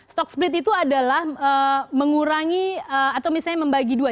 stock split itu adalah mengurangi atau misalnya membagi dua